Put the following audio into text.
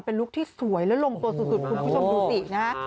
เป็นลุคที่สวยและลงตัวสุดคุณผู้ชมดูสินะฮะ